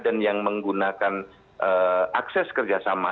dan yang menggunakan akses kerjasama